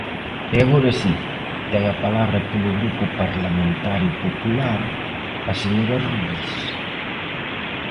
E agora si, ten a palabra polo Grupo Parlamentario Popular a señora Rodís.